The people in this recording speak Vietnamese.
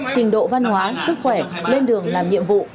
trình độ văn hóa sức khỏe lên đường làm nhiệm vụ